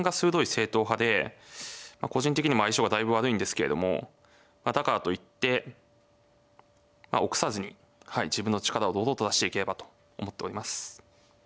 正統派で個人的にも相性がだいぶ悪いんですけれどもだからといって臆さずに自分の力を堂々と出していければと思っております。